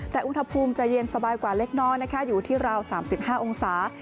แต่อุณหภูมิจะเย็นสบายกว่าเล็กน้อยนะคะอยู่ที่ราว๓๕องศา